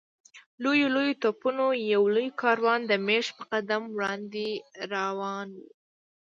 لویو لویو توپونو یو لوی کاروان د مېږي په قدم وړاندې روان و.